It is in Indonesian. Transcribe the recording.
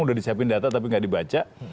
sudah disiapkan data tapi tidak dibaca